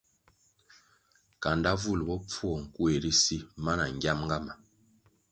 Kandá vul bopfuo nkuéh ri si mana ngiamga ma.